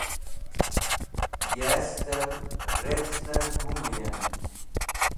yasht'ev rec̃hner humuyen